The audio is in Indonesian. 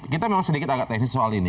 kita memang sedikit agak teknis soal ini